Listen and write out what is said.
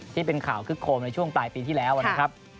ที่เป็นข่าวคึกโคมในช่วงปลายปีที่แล้วนะครับ